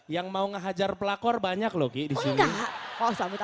yang mau ngehajar pelakor banyak loh kiki di sini